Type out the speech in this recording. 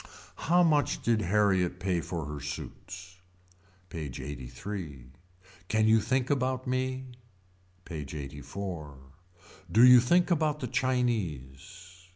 How much did Harriet pay for her suits. PAGE LXXXIII. Can you think about me. PAGE LXXXIV. Do you think about the Chinese.